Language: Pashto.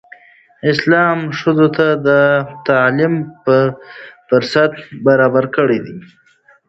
اسلام ښځو ته د تعلیم فرصت برابر کړی دی.